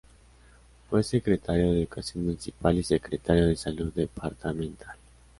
Fue Secretario de Educación municipal y Secretario de Salud departamental.